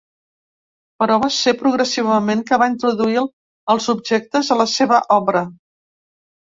Però va ser progressivament que va introduir els objectes a la seva obra.